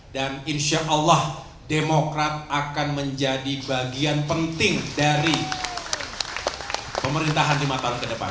dan insyaallah demokrat akan menjadi bagian penting dari pemerintahan lima tahun ke depan